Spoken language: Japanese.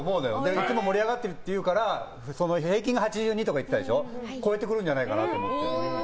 いつも盛り上がってるって言ってるから平均が８２って言ってたでしょ超えてくるんじゃないかなと思って。